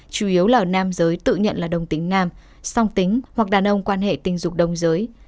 chủ yếu là nam giới tự nhận là đồng tính nam song tính hoặc đàn ông quan hệ tình dục đồng giới